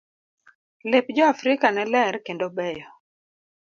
Lep jo afrika ne ler kendo beyo.